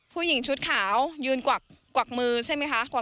ผู้หญิงชุดขาวยืนกวักมือใช่ไหมคะ